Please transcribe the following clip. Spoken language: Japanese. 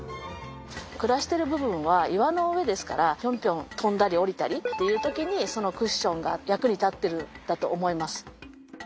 暮らしてる部分は岩の上ですからピョンピョン跳んだり下りたりっていう時にそのクッションが役に立ってるんだと思います。